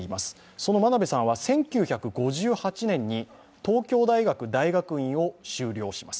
その真鍋さんは１９５８年に東京大学大学院を修了します。